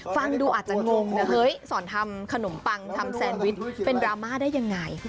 ฟังดูอาจจะงงนะเฮ้ยสอนทำขนมปังทำแซนวิชเป็นดราม่าได้ยังไง